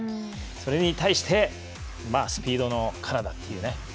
それに対してスピードのカナダっていうね。